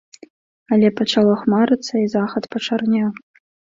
Але пачало хмарыцца, і захад пачарнеў.